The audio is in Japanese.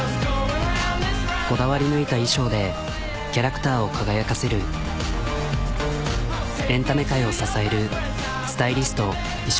こだわり抜いた衣装でキャラクターを輝かせるエンタメ界を支えるスタイリスト衣装